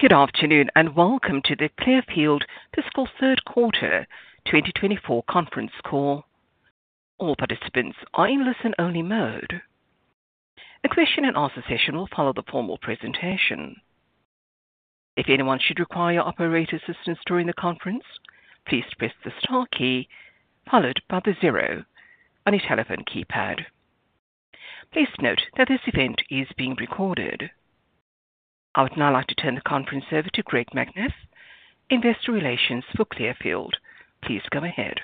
Good afternoon and welcome to the Clearfield fiscal third quarter 2024 conference call. All participants are in listen-only mode. A question-and-answer session will follow the formal presentation. If anyone should require operator assistance during the conference, please press the Star key followed by the zero on your telephone keypad. Please note that this event is being recorded. I would now like to turn the conference over to Greg McNiff, Investor Relations for Clearfield. Please go ahead.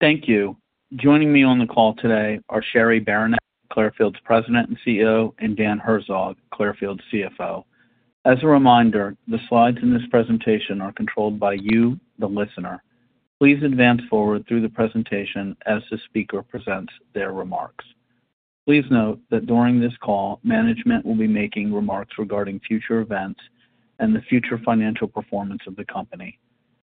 Thank you. Joining me on the call today are Cheri Beranek, Clearfield's President and CEO, and Dan Herzog, Clearfield's CFO. As a reminder, the slides in this presentation are controlled by you, the listener. Please advance forward through the presentation as the speaker presents their remarks. Please note that during this call, management will be making remarks regarding future events and the future financial performance of the company.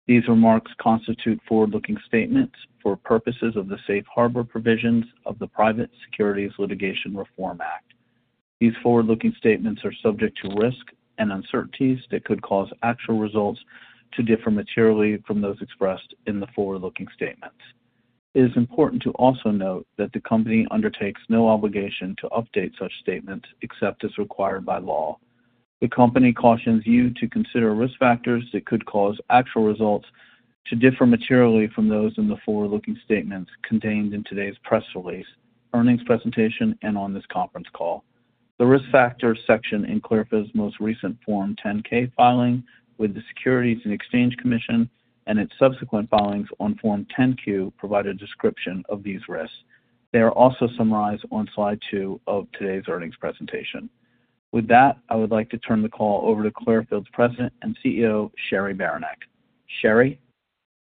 These remarks constitute forward-looking statements for purposes of the Safe Harbor Provisions of the Private Securities Litigation Reform Act. These forward-looking statements are subject to risk and uncertainties that could cause actual results to differ materially from those expressed in the forward-looking statements. It is important to also note that the company undertakes no obligation to update such statements except as required by law. The company cautions you to consider risk factors that could cause actual results to differ materially from those in the forward-looking statements contained in today's press release, earnings presentation, and on this conference call. The risk factors section in Clearfield's most recent Form 10-K filing with the Securities and Exchange Commission and its subsequent filings on Form 10-Q provide a description of these risks. They are also summarized on slide two of today's earnings presentation. With that, I would like to turn the call over to Clearfield's President and CEO, Cheri Beranek. Cheri.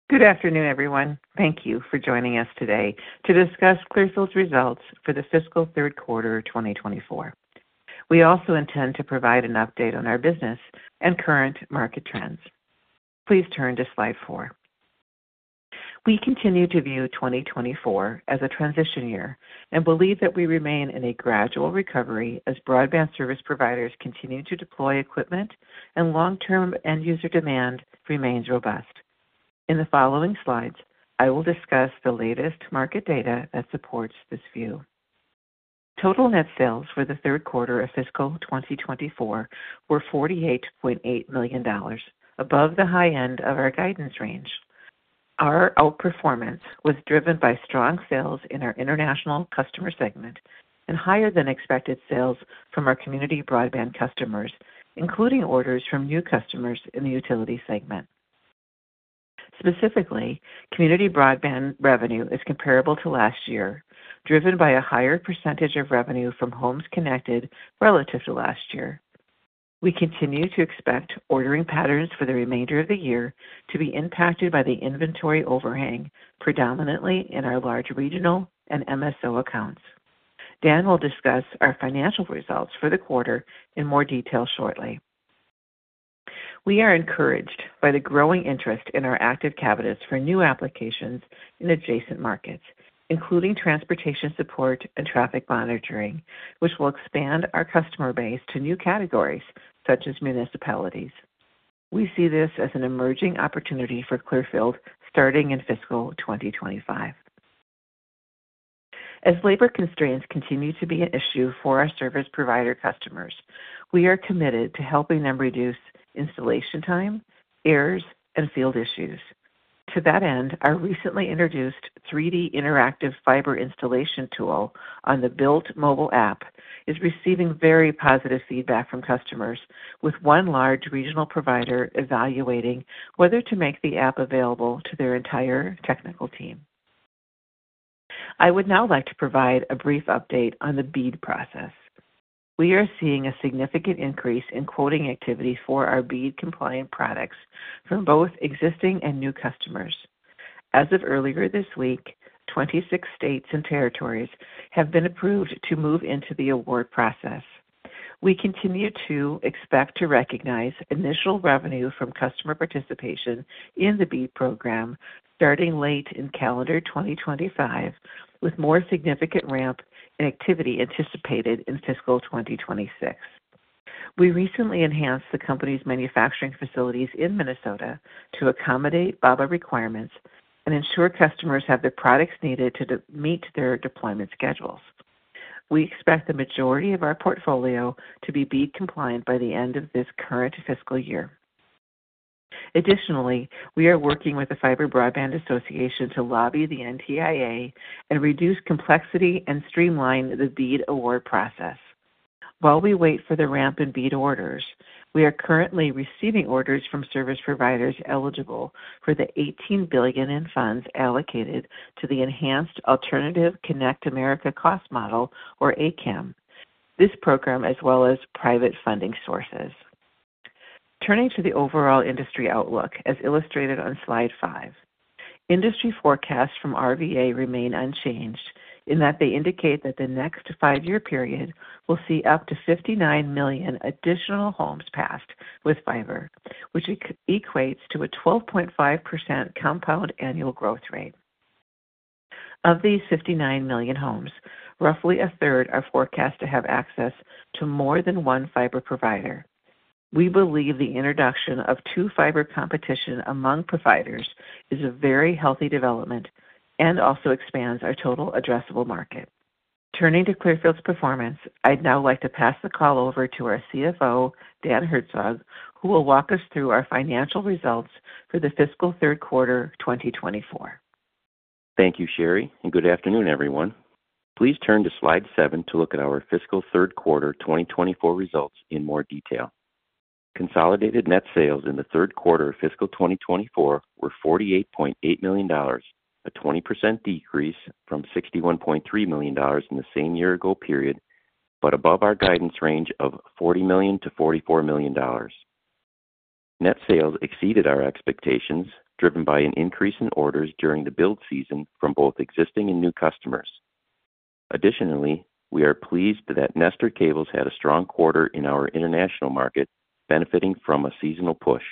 Good afternoon, everyone. Thank you for joining us today to discuss Clearfield's results for the fiscal third quarter of 2024. We also intend to provide an update on our business and current market trends. Please turn to slide four. We continue to view 2024 as a transition year and believe that we remain in a gradual recovery as broadband service providers continue to deploy equipment and long-term end-user demand remains robust. In the following slides, I will discuss the latest market data that supports this view. Total net sales for the third quarter of fiscal 2024 were $48.8 million, above the high end of our guidance range. Our outperformance was driven by strong sales in our international customer segment and higher-than-expected sales from our community broadband customers, including orders from new customers in the utility segment. Specifically, community broadband revenue is comparable to last year, driven by a higher percentage of revenue from homes connected relative to last year. We continue to expect ordering patterns for the remainder of the year to be impacted by the inventory overhang, predominantly in our large regional and MSO accounts. Dan will discuss our financial results for the quarter in more detail shortly. We are encouraged by the growing interest in our active cabinets for new applications in adjacent markets, including transportation support and traffic monitoring, which will expand our customer base to new categories such as municipalities. We see this as an emerging opportunity for Clearfield starting in fiscal 2025. As labor constraints continue to be an issue for our service provider customers, we are committed to helping them reduce installation time, errors, and field issues. To that end, our recently introduced 3D interactive fiber installation tool on the Bilt mobile app is receiving very positive feedback from customers, with one large regional provider evaluating whether to make the app available to their entire technical team. I would now like to provide a brief update on the BEAD process. We are seeing a significant increase in quoting activity for our BEAD-compliant products from both existing and new customers. As of earlier this week, 26 states and territories have been approved to move into the award process. We continue to expect to recognize initial revenue from customer participation in the BEAD program starting late in calendar 2025, with more significant ramp in activity anticipated in fiscal 2026. We recently enhanced the company's manufacturing facilities in Minnesota to accommodate BABA requirements and ensure customers have the products needed to meet their deployment schedules. We expect the majority of our portfolio to be BEAD-compliant by the end of this current fiscal year. Additionally, we are working with the Fiber Broadband Association to lobby the NTIA and reduce complexity and streamline the BEAD award process. While we wait for the ramp in BEAD orders, we are currently receiving orders from service providers eligible for the $18 billion in funds allocated to the Enhanced Alternative Connect America Cost Model, or ACAM, this program, as well as private funding sources. Turning to the overall industry outlook, as illustrated on slide five, industry forecasts from RVA remain unchanged in that they indicate that the next five-year period will see up to 59 million additional homes passed with fiber, which equates to a 12.5% compound annual growth rate. Of these 59 million homes, roughly a third are forecast to have access to more than one fiber provider. We believe the introduction of two-fiber competition among providers is a very healthy development and also expands our total addressable market. Turning to Clearfield's performance, I'd now like to pass the call over to our CFO, Dan Herzog, who will walk us through our financial results for the fiscal third quarter 2024. Thank you, Cheri, and good afternoon, everyone. Please turn to slide seven to look at our fiscal third quarter 2024 results in more detail. Consolidated net sales in the third quarter of fiscal 2024 were $48.8 million, a 20% decrease from $61.3 million in the same year-ago period, but above our guidance range of $40 million-$44 million. Net sales exceeded our expectations, driven by an increase in orders during the build season from both existing and new customers. Additionally, we are pleased that Nestor Cables had a strong quarter in our international market, benefiting from a seasonal push.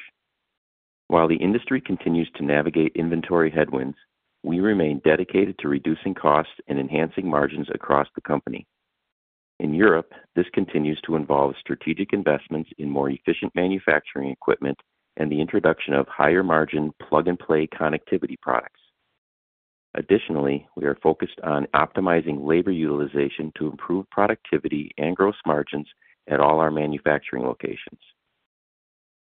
While the industry continues to navigate inventory headwinds, we remain dedicated to reducing costs and enhancing margins across the company. In Europe, this continues to involve strategic investments in more efficient manufacturing equipment and the introduction of higher-margin plug-and-play connectivity products. Additionally, we are focused on optimizing labor utilization to improve productivity and gross margins at all our manufacturing locations.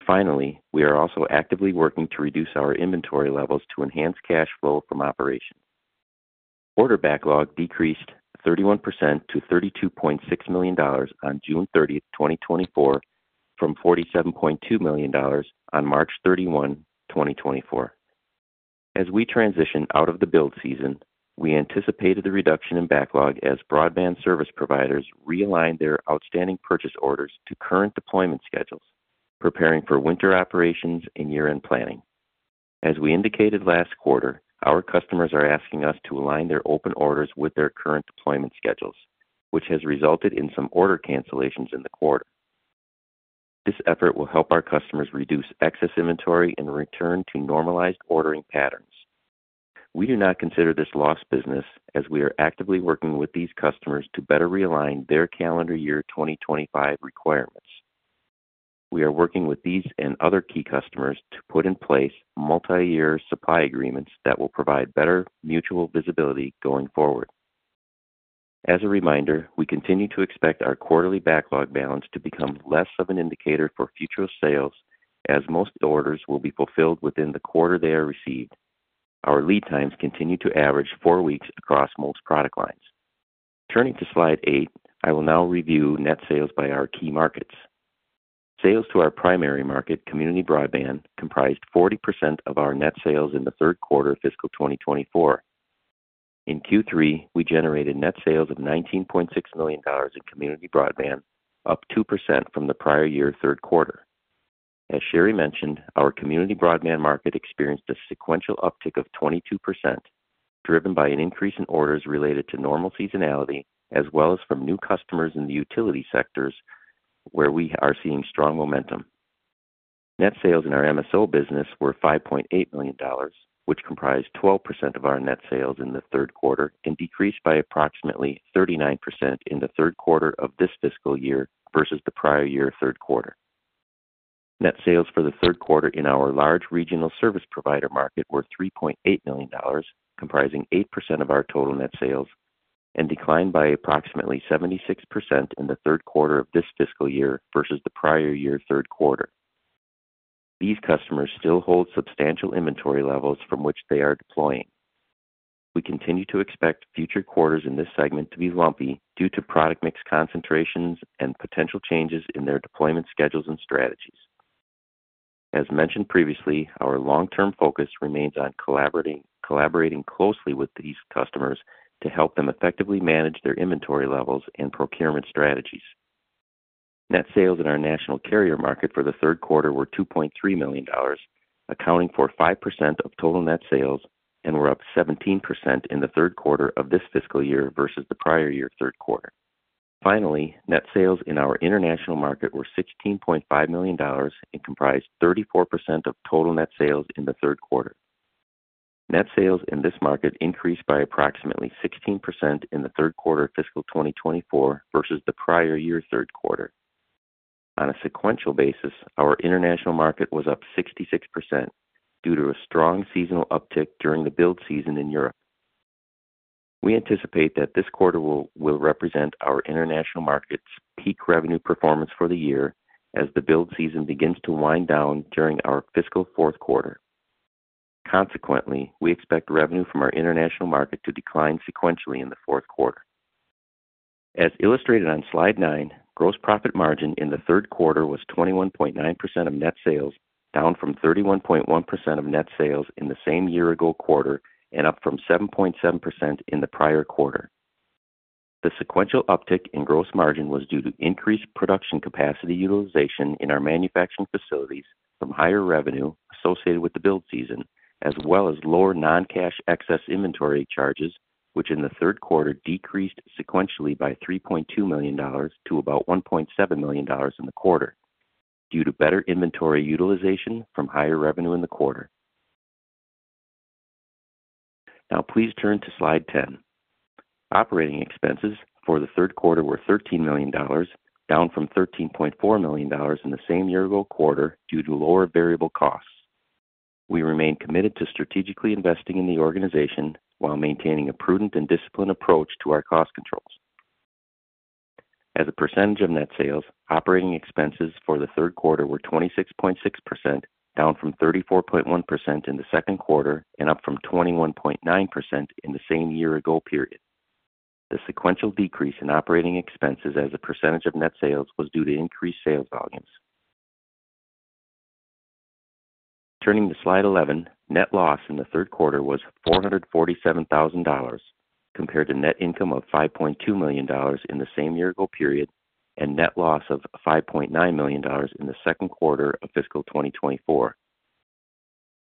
Finally, we are also actively working to reduce our inventory levels to enhance cash flow from operations. Order backlog decreased 31% to $32.6 million on June 30, 2024, from $47.2 million on March 31, 2024. As we transition out of the build season, we anticipated the reduction in backlog as broadband service providers realign their outstanding purchase orders to current deployment schedules, preparing for winter operations and year-end planning. As we indicated last quarter, our customers are asking us to align their open orders with their current deployment schedules, which has resulted in some order cancellations in the quarter. This effort will help our customers reduce excess inventory and return to normalized ordering patterns. We do not consider this lost business, as we are actively working with these customers to better realign their calendar year 2025 requirements. We are working with these and other key customers to put in place multi-year supply agreements that will provide better mutual visibility going forward. As a reminder, we continue to expect our quarterly backlog balance to become less of an indicator for future sales, as most orders will be fulfilled within the quarter they are received. Our lead times continue to average four weeks across most product lines. Turning to slide eight, I will now review net sales by our key markets. Sales to our primary market, community broadband, comprised 40% of our net sales in the third quarter of fiscal 2024. In Q3, we generated net sales of $19.6 million in community broadband, up 2% from the prior year third quarter. As Cheri mentioned, our community broadband market experienced a sequential uptick of 22%, driven by an increase in orders related to normal seasonality, as well as from new customers in the utility sectors, where we are seeing strong momentum. Net sales in our MSO business were $5.8 million, which comprised 12% of our net sales in the third quarter and decreased by approximately 39% in the third quarter of this fiscal year versus the prior year third quarter. Net sales for the third quarter in our large regional service provider market were $3.8 million, comprising 8% of our total net sales, and declined by approximately 76% in the third quarter of this fiscal year versus the prior year third quarter. These customers still hold substantial inventory levels from which they are deploying. We continue to expect future quarters in this segment to be lumpy due to product mix concentrations and potential changes in their deployment schedules and strategies. As mentioned previously, our long-term focus remains on collaborating closely with these customers to help them effectively manage their inventory levels and procurement strategies. Net sales in our national carrier market for the third quarter were $2.3 million, accounting for 5% of total net sales, and were up 17% in the third quarter of this fiscal year versus the prior year third quarter. Finally, net sales in our international market were $16.5 million and comprised 34% of total net sales in the third quarter. Net sales in this market increased by approximately 16% in the third quarter of fiscal 2024 versus the prior year third quarter. On a sequential basis, our international market was up 66% due to a strong seasonal uptick during the build season in Europe. We anticipate that this quarter will represent our international market's peak revenue performance for the year, as the build season begins to wind down during our fiscal fourth quarter. Consequently, we expect revenue from our international market to decline sequentially in the fourth quarter. As illustrated on slide nine, gross profit margin in the third quarter was 21.9% of net sales, down from 31.1% of net sales in the same year-ago quarter and up from 7.7% in the prior quarter. The sequential uptick in gross margin was due to increased production capacity utilization in our manufacturing facilities from higher revenue associated with the build season, as well as lower non-cash excess inventory charges, which in the third quarter decreased sequentially by $3.2 million to about $1.7 million in the quarter due to better inventory utilization from higher revenue in the quarter. Now, please turn to slide 10. Operating expenses for the third quarter were $13 million, down from $13.4 million in the same year-ago quarter due to lower variable costs. We remain committed to strategically investing in the organization while maintaining a prudent and disciplined approach to our cost controls. As a percentage of net sales, operating expenses for the third quarter were 26.6%, down from 34.1% in the second quarter and up from 21.9% in the same year-ago period. The sequential decrease in operating expenses as a percentage of net sales was due to increased sales volumes. Turning to slide 11, net loss in the third quarter was $447,000, compared to net income of $5.2 million in the same year-ago period and net loss of $5.9 million in the second quarter of fiscal 2024.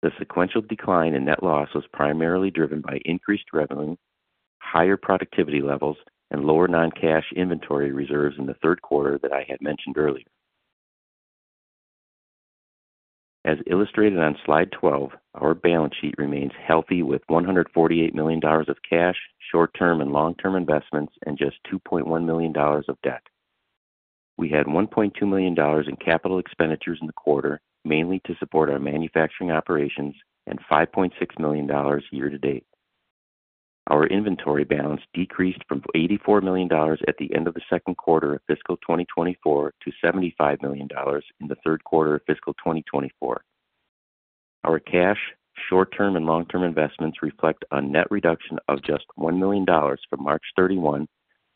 The sequential decline in net loss was primarily driven by increased revenue, higher productivity levels, and lower non-cash inventory reserves in the third quarter that I had mentioned earlier. As illustrated on slide 12, our balance sheet remains healthy with $148 million of cash, short-term and long-term investments, and just $2.1 million of debt. We had $1.2 million in capital expenditures in the quarter, mainly to support our manufacturing operations, and $5.6 million year-to-date. Our inventory balance decreased from $84 million at the end of the second quarter of fiscal 2024 to $75 million in the third quarter of fiscal 2024. Our cash, short-term, and long-term investments reflect a net reduction of just $1 million from March 31,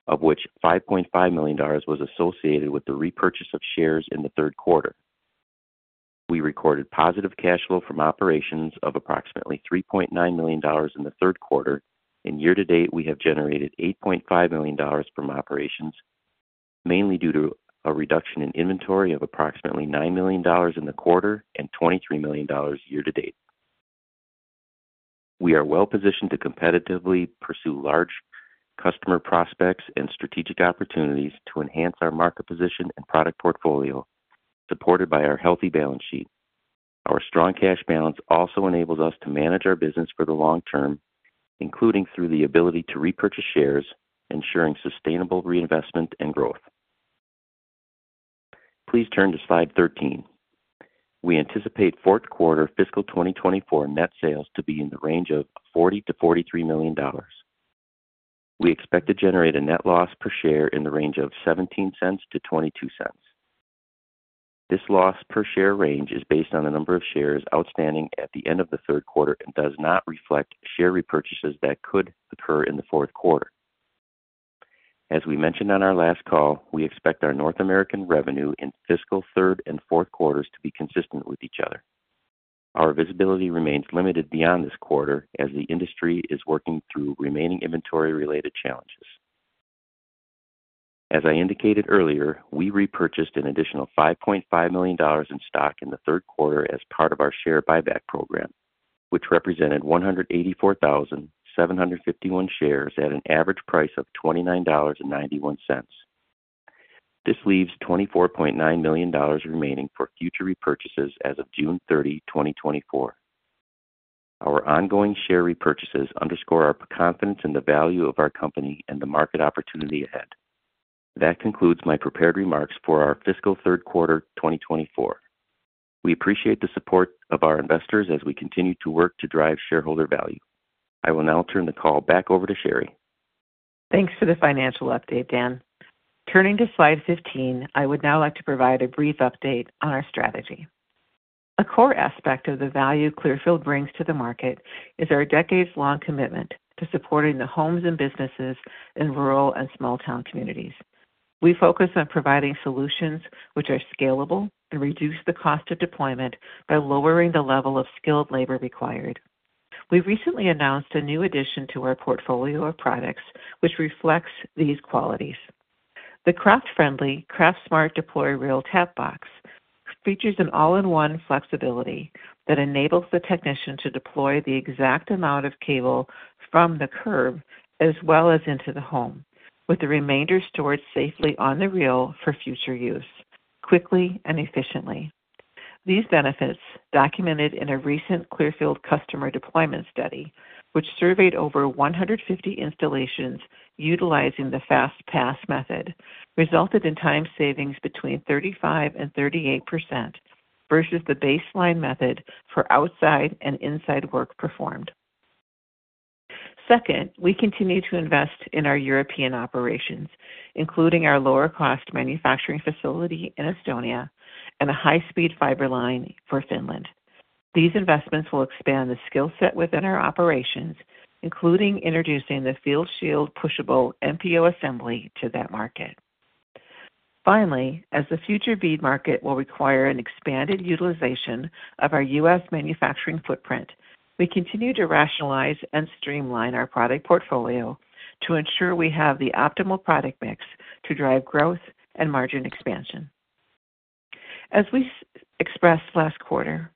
of which $5.5 million was associated with the repurchase of shares in the third quarter. We recorded positive cash flow from operations of approximately $3.9 million in the third quarter, and year-to-date we have generated $8.5 million from operations, mainly due to a reduction in inventory of approximately $9 million in the quarter and $23 million year-to-date. We are well-positioned to competitively pursue large customer prospects and strategic opportunities to enhance our market position and product portfolio, supported by our healthy balance sheet. Our strong cash balance also enables us to manage our business for the long term, including through the ability to repurchase shares, ensuring sustainable reinvestment and growth. Please turn to slide 13. We anticipate fourth quarter fiscal 2024 net sales to be in the range of $40-$43 million. We expect to generate a net loss per share in the range of $0.17-$0.22. This loss per share range is based on the number of shares outstanding at the end of the third quarter and does not reflect share repurchases that could occur in the fourth quarter. As we mentioned on our last call, we expect our North American revenue in fiscal third and fourth quarters to be consistent with each other. Our visibility remains limited beyond this quarter, as the industry is working through remaining inventory-related challenges. As I indicated earlier, we repurchased an additional $5.5 million in stock in the third quarter as part of our share buyback program, which represented 184,751 shares at an average price of $29.91. This leaves $24.9 million remaining for future repurchases as of June 30, 2024. Our ongoing share repurchases underscore our confidence in the value of our company and the market opportunity ahead. That concludes my prepared remarks for our fiscal third quarter 2024. We appreciate the support of our investors as we continue to work to drive shareholder value. I will now turn the call back over to Cheri. Thanks for the financial update, Dan. Turning to slide 15, I would now like to provide a brief update on our strategy. A core aspect of the value Clearfield brings to the market is our decades-long commitment to supporting the homes and businesses in rural and small-town communities. We focus on providing solutions which are scalable and reduce the cost of deployment by lowering the level of skilled labor required. We recently announced a new addition to our portfolio of products, which reflects these qualities. The craft-friendly CraftSmart Deploy Reel TAP Box features an all-in-one flexibility that enables the technician to deploy the exact amount of cable from the curb as well as into the home, with the remainder stored safely on the reel for future use quickly and efficiently. These benefits, documented in a recent Clearfield customer deployment study, which surveyed over 150 installations utilizing the FastPass method, resulted in time savings between 35% and 38% versus the baseline method for outside and inside work performed. Second, we continue to invest in our European operations, including our lower-cost manufacturing facility in Estonia and a high-speed fiber line for Finland. These investments will expand the skill set within our operations, including introducing the FieldShield Pushable MPO assembly to that market. Finally, as the future BEAD market will require an expanded utilization of our U.S. manufacturing footprint, we continue to rationalize and streamline our product portfolio to ensure we have the optimal product mix to drive growth and margin expansion. As we expressed last quarter,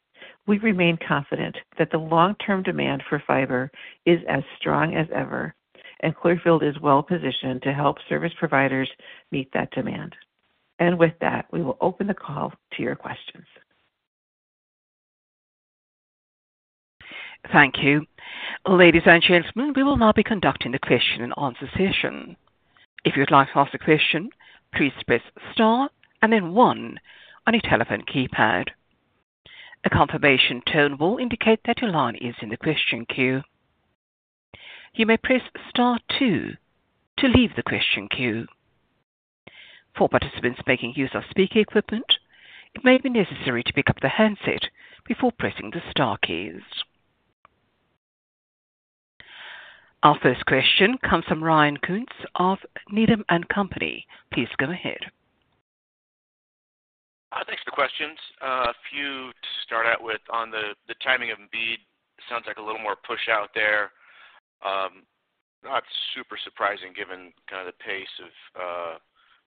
we remain confident that the long-term demand for fiber is as strong as ever, and Clearfield is well-positioned to help service providers meet that demand. With that, we will open the call to your questions. Thank you. Ladies and gentlemen, we will now be conducting the question and answer session. If you would like to ask a question, please press Star and then one on your telephone keypad. A confirmation tone will indicate that your line is in the question queue. You may press Star two to leave the question queue. For participants making use of speaker equipment, it may be necessary to pick up the handset before pressing the Star keys. Our first question comes from Ryan Koontz of Needham & Company. Please come ahead. Thanks for the questions. A few to start out with on the timing of BEAD. Sounds like a little more push out there. Not super surprising given kind of the pace of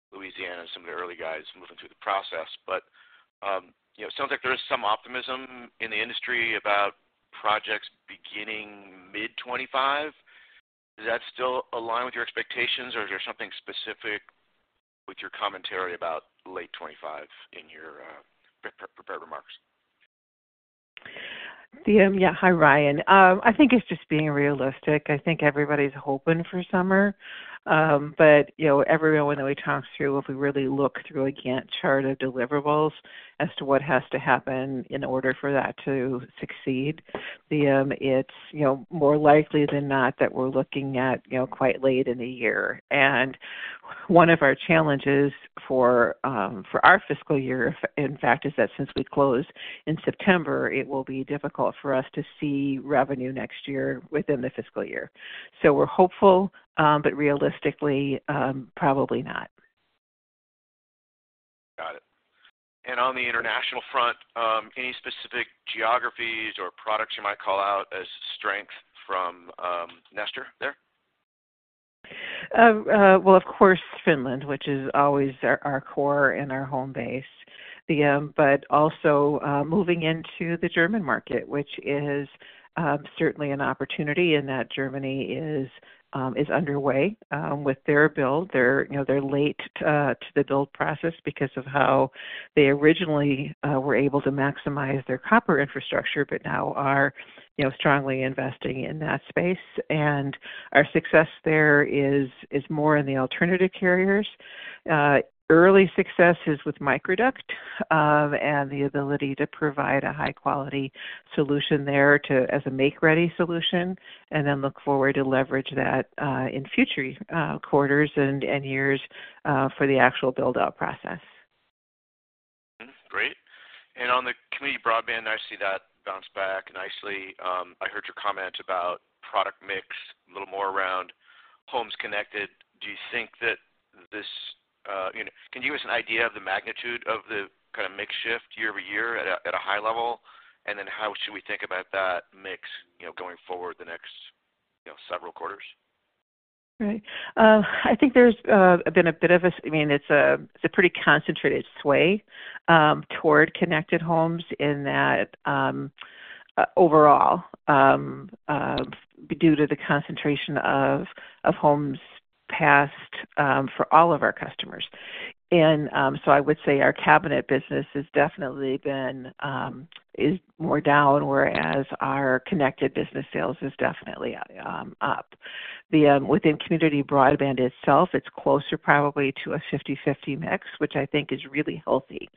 Louisiana and some of the early guys moving through the process. But it sounds like there is some optimism in the industry about projects beginning mid-2025. Does that still align with your expectations, or is there something specific with your commentary about late 2025 in your prepared remarks? Yeah, hi, Ryan. I think it's just being realistic. I think everybody's hoping for summer, but everyone that we talked through, if we really look through a Gantt chart of deliverables as to what has to happen in order for that to succeed, it's more likely than not that we're looking at quite late in the year. And one of our challenges for our fiscal year, in fact, is that since we closed in September, it will be difficult for us to see revenue next year within the fiscal year. So we're hopeful, but realistically, probably not. Got it. On the international front, any specific geographies or products you might call out as strengths from Nestor there? Well, of course, Finland, which is always our core and our home base. But also moving into the German market, which is certainly an opportunity in that Germany is underway with their build. They're late to the build process because of how they originally were able to maximize their copper infrastructure, but now are strongly investing in that space. And our success there is more in the alternative carriers. Early success is with microduct and the ability to provide a high-quality solution there as a make-ready solution, and then look forward to leverage that in future quarters and years for the actual build-out process. Great. And on the community broadband, I see that bounce back nicely. I heard your comment about product mix a little more around homes connected. Do you think that this can you give us an idea of the magnitude of the kind of mix shift year-over-year at a high level? And then how should we think about that mix going forward the next several quarters? Right. I think there's been a bit of a, I mean, it's a pretty concentrated sway toward connected homes in that overall, due to the concentration of homes passed for all of our customers. So I would say our cabinet business has definitely been more down, whereas our connected business sales is definitely up. Within community broadband itself, it's closer probably to a 50/50 mix, which I think is really healthy.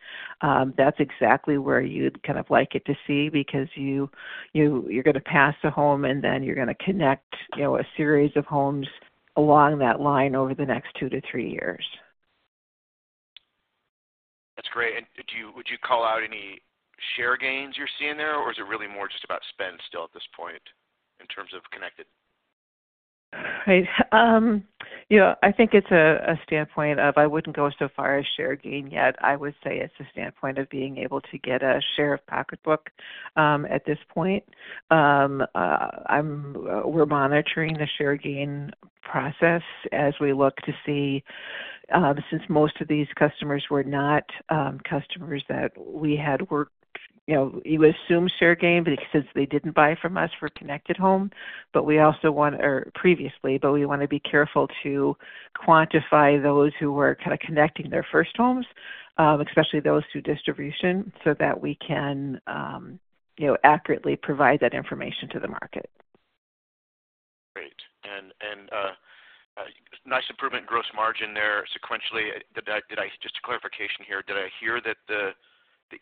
That's exactly where you'd kind of like it to see because you're going to pass a home, and then you're going to connect a series of homes along that line over the next 2-3 years. That's great. And would you call out any share gains you're seeing there, or is it really more just about spend still at this point in terms of connected? Right. I think it's a standpoint of I wouldn't go so far as share gain yet. I would say it's a standpoint of being able to get a share of pocketbook at this point. We're monitoring the share gain process as we look to see since most of these customers were not customers that we had worked—you assume share gain, but since they didn't buy from us for connected home. But we also want—or previously, but we want to be careful to quantify those who were kind of connecting their first homes, especially those through distribution, so that we can accurately provide that information to the market. Great. Nice improvement in gross margin there sequentially. Just a clarification here. Did I hear that the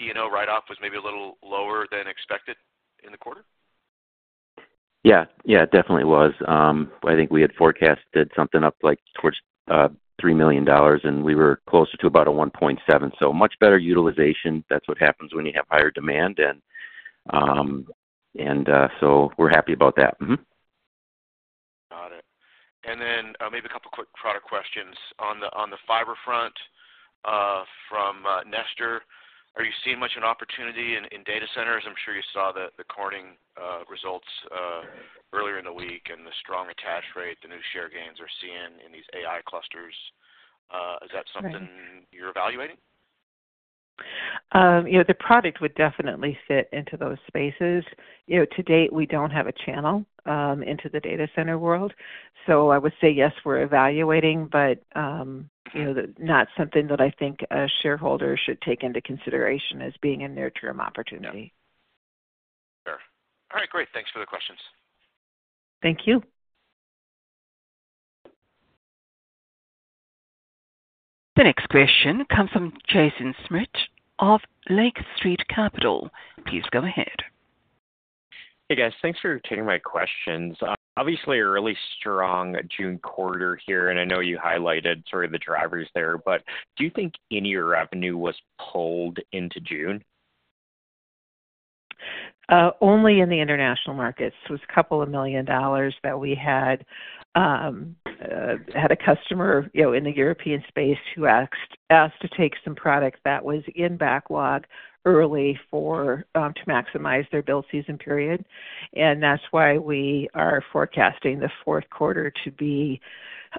E&O write-off was maybe a little lower than expected in the quarter? Yeah. Yeah, definitely was. I think we had forecasted something up like towards $3 million, and we were closer to about a $1.7 million. So much better utilization. That's what happens when you have higher demand. And so we're happy about that. Got it. And then maybe a couple of quick product questions. On the fiber front from Nestor, are you seeing much of an opportunity in data centers? I'm sure you saw the Corning results earlier in the week and the strong attach rate, the new share gains we're seeing in these AI clusters. Is that something you're evaluating? The product would definitely fit into those spaces. To date, we don't have a channel into the data center world. So I would say yes, we're evaluating, but not something that I think a shareholder should take into consideration as being a near-term opportunity. Sure. All right. Great. Thanks for the questions. Thank you. The next question comes from Jaeson Schmidt of Lake Street Capital. Please go ahead. Hey, guys. Thanks for taking my questions. Obviously, a really strong June quarter here, and I know you highlighted sort of the drivers there, but do you think any revenue was pulled into June? Only in the international markets. It was $2 million that we had a customer in the European space who asked to take some product that was in backlog early to maximize their build season period. That's why we are forecasting the fourth quarter to be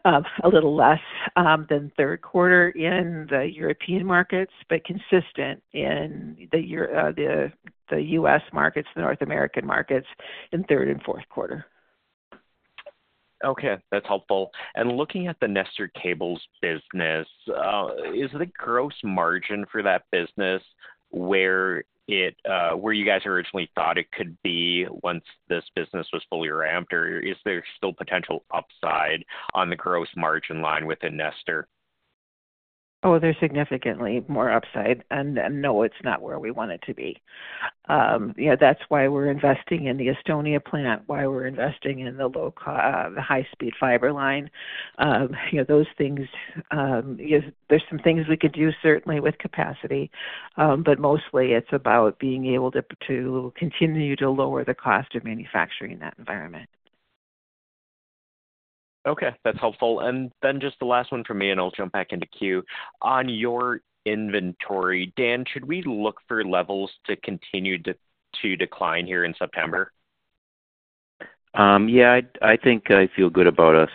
a little less than third quarter in the European markets, but consistent in the U.S. markets, the North American markets in third and fourth quarter. Okay. That's helpful. And looking at the Nestor Cables business, is the gross margin for that business where you guys originally thought it could be once this business was fully ramped? Or is there still potential upside on the gross margin line within Nestor? Oh, there's significantly more upside. And no, it's not where we want it to be. That's why we're investing in the Estonia plant, why we're investing in the high-speed fiber line. Those things, there's some things we could do certainly with capacity, but mostly it's about being able to continue to lower the cost of manufacturing in that environment. Okay. That's helpful. And then just the last one for me, and I'll jump back into queue. On your inventory, Dan, should we look for levels to continue to decline here in September? Yeah. I think I feel good about us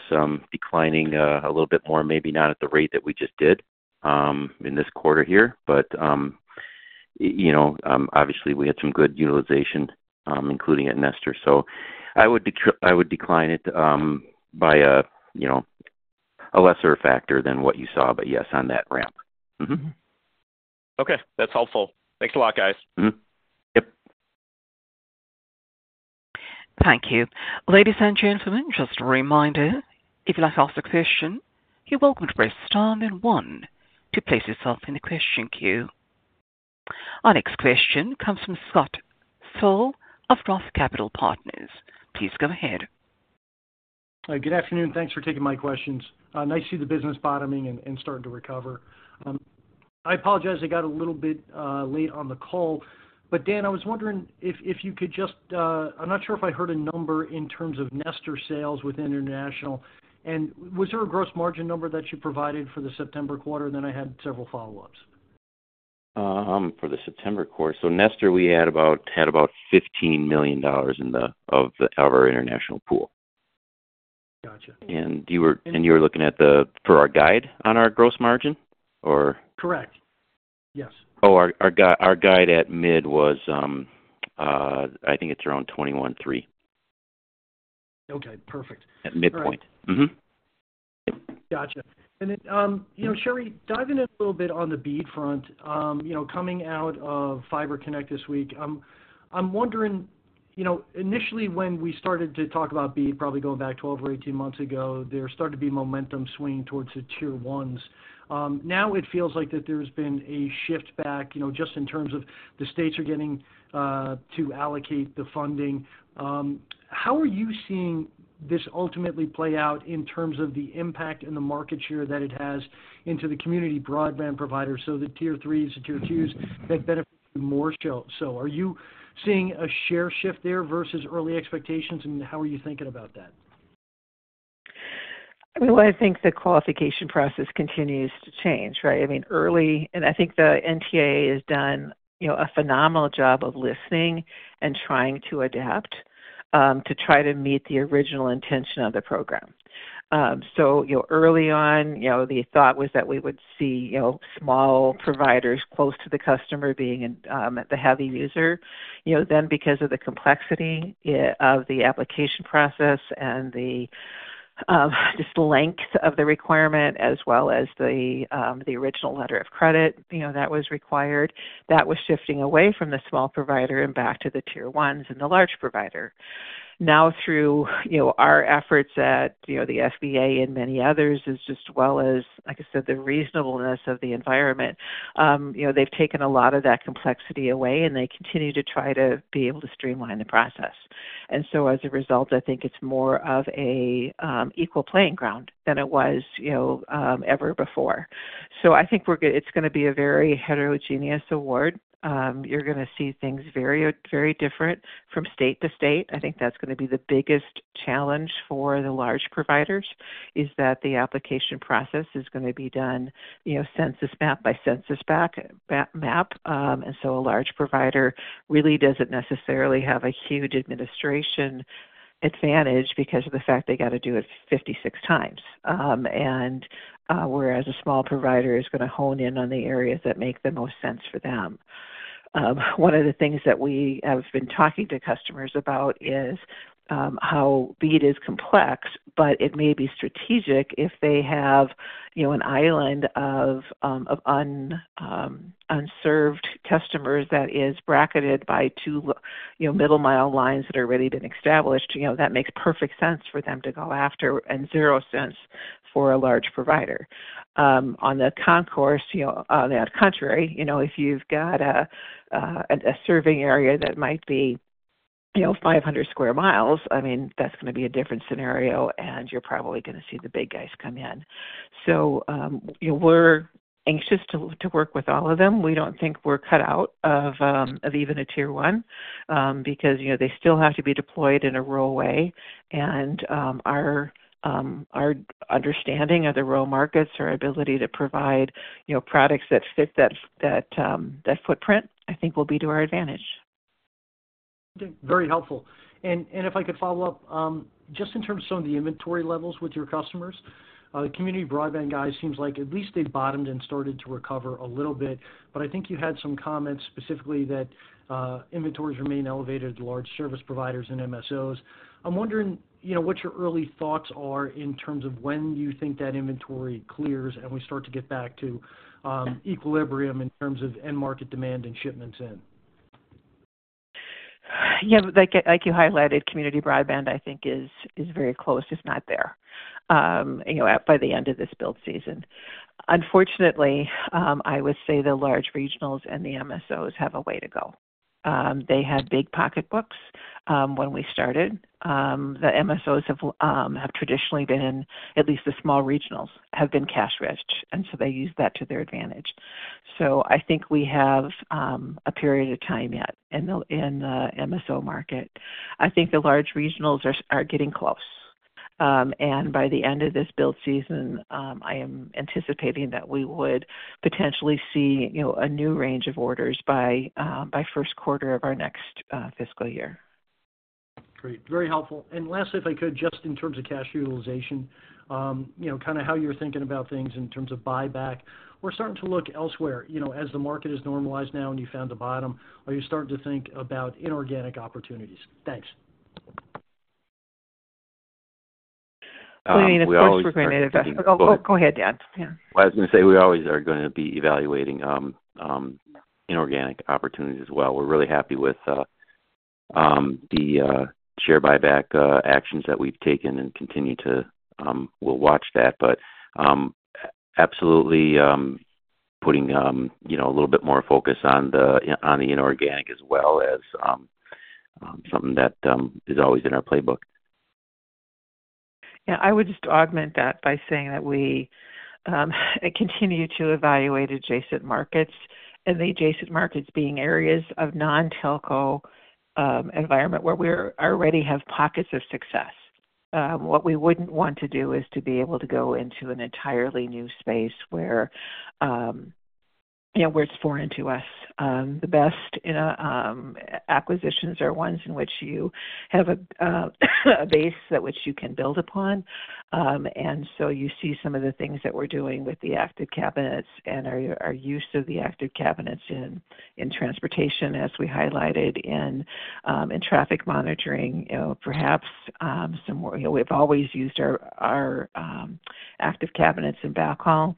declining a little bit more, maybe not at the rate that we just did in this quarter here, but obviously, we had some good utilization, including at Nestor. So I would decline it by a lesser factor than what you saw, but yes, on that ramp. Okay. That's helpful. Thanks a lot, guys. Yep. Thank you. Ladies and gentlemen, just a reminder, if you'd like to ask a question, you're welcome to press Star and then One to place yourself in the question queue. Our next question comes from Scott Searle of Roth Capital Partners. Please go ahead. Good afternoon. Thanks for taking my questions. Nice to see the business bottoming and starting to recover. I apologize. I got a little bit late on the call. But, Dan, I was wondering if you could just, I'm not sure if I heard a number in terms of Nestor sales within international. And was there a gross margin number that you provided for the September quarter? And then I had several follow-ups. For the September quarter, so Nestor, we had about $15 million of our international pool. Gotcha. You were looking at the, for our guide on our gross margin, or? Correct. Yes. Oh, our guide at mid was, I think it's around 21.3. Okay. Perfect. At midpoint. Gotcha. And Cheri, diving in a little bit on the BEAD front, coming out of Fiber Connect this week, I'm wondering, initially, when we started to talk about BEAD, probably going back 12 or 18 months ago, there started to be momentum swinging towards the tier ones. Now it feels like that there's been a shift back just in terms of the states are getting to allocate the funding. How are you seeing this ultimately play out in terms of the impact and the market share that it has into the community broadband providers? So the tier threes, the tier twos, that benefit you more so. So are you seeing a share shift there versus early expectations? And how are you thinking about that? I mean, well, I think the qualification process continues to change, right? I mean, early, and I think the NTIA has done a phenomenal job of listening and trying to adapt to try to meet the original intention of the program. So early on, the thought was that we would see small providers close to the customer being the heavy user. Then, because of the complexity of the application process and the length of the requirement, as well as the original letter of credit that was required, that was shifting away from the small provider and back to the tier ones and the large provider. Now, through our efforts at the FBA and many others, as well as, like I said, the reasonableness of the NTIA, they've taken a lot of that complexity away, and they continue to try to be able to streamline the process. As a result, I think it's more of an equal playing ground than it was ever before. So I think it's going to be a very heterogeneous award. You're going to see things very different from state to state. I think that's going to be the biggest challenge for the large providers, is that the application process is going to be done census map by census map. A large provider really doesn't necessarily have a huge administration advantage because of the fact they got to do it 56 times, whereas a small provider is going to hone in on the areas that make the most sense for them. One of the things that we have been talking to customers about is how BEAD is complex, but it may be strategic if they have an island of unserved customers that is bracketed by two middle-mile lines that have already been established. That makes perfect sense for them to go after and zero sense for a large provider. On the contrary, if you've got a serving area that might be 500 sq mi, I mean, that's going to be a different scenario, and you're probably going to see the big guys come in. So we're anxious to work with all of them. We don't think we're cut out of even a tier one because they still have to be deployed in a rural way. And our understanding of the rural markets, our ability to provide products that fit that footprint, I think will be to our advantage. Okay. Very helpful. And if I could follow up, just in terms of some of the inventory levels with your customers, the community broadband guys seems like at least they bottomed and started to recover a little bit. But I think you had some comments specifically that inventories remain elevated at large service providers and MSOs. I'm wondering what your early thoughts are in terms of when you think that inventory clears and we start to get back to equilibrium in terms of end market demand and shipments in? Yeah. Like you highlighted, community broadband, I think, is very close, if not there, by the end of this build season. Unfortunately, I would say the large regionals and the MSOs have a way to go. They had big pocketbooks when we started. The MSOs have traditionally been, at least the small regionals have been cash rich, and so they use that to their advantage. So I think we have a period of time yet in the MSO market. I think the large regionals are getting close. And by the end of this build season, I am anticipating that we would potentially see a new range of orders by first quarter of our next fiscal year. Great. Very helpful. Lastly, if I could, just in terms of cash utilization, kind of how you're thinking about things in terms of buyback, we're starting to look elsewhere. As the market has normalized now and you found the bottom, are you starting to think about inorganic opportunities? Thanks. We're always, oh, go ahead, Dan. Yeah. Well, I was going to say we always are going to be evaluating inorganic opportunities as well. We're really happy with the share buyback actions that we've taken and continue to. We'll watch that. But absolutely putting a little bit more focus on the inorganic as well as something that is always in our playbook. Yeah. I would just augment that by saying that we continue to evaluate adjacent markets, and the adjacent markets being areas of non-Telco environment where we already have pockets of success. What we wouldn't want to do is to be able to go into an entirely new space where it's foreign to us. The best acquisitions are ones in which you have a base that which you can build upon. And so you see some of the things that we're doing with the active cabinets and our use of the active cabinets in transportation, as we highlighted in traffic monitoring, perhaps some more, we've always used our active cabinets in backhaul.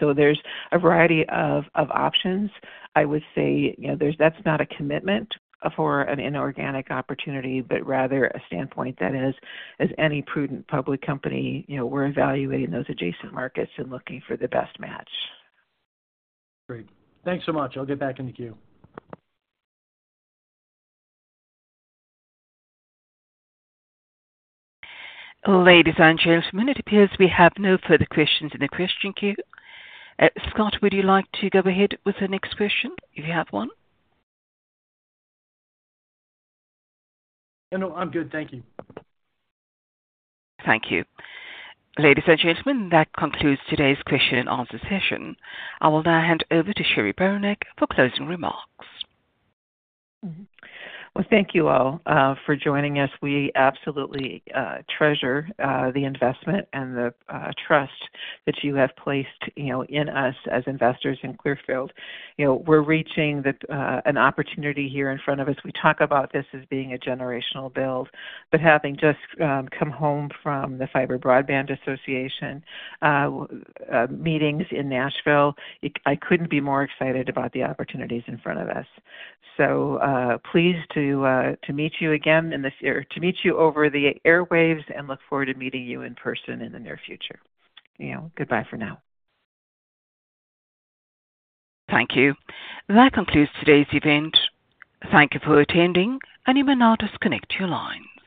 So there's a variety of options. I would say that's not a commitment for an inorganic opportunity, but rather a standpoint that is, as any prudent public company, we're evaluating those adjacent markets and looking for the best match. Great. Thanks so much. I'll get back into queue. Ladies and gentlemen, it appears we have no further questions in the question queue. Scott, would you like to go ahead with the next question if you have one? No, no. I'm good. Thank you. Thank you. Ladies and gentlemen, that concludes today's question and answer session. I will now hand over to Cheri Beranek for closing remarks. Well, thank you all for joining us. We absolutely treasure the investment and the trust that you have placed in us as investors in Clearfield. We're reaching an opportunity here in front of us. We talk about this as being a generational build, but having just come home from the Fiber Broadband Association meetings in Nashville, I couldn't be more excited about the opportunities in front of us. So pleased to meet you again in this-or to meet you over the airwaves and look forward to meeting you in person in the near future. Goodbye for now. Thank you. That concludes today's event. Thank you for attending, and you may now disconnect your lines.